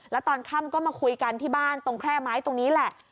แล้วตอนค่ำก็มาคุยกันที่บ้านตรงแคร่ไม้ตรงนี้แหละ